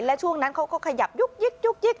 และช่วงนั้นเขาก็ขยับยุ๊ก